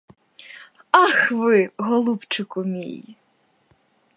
Ах ви, голубчику мій!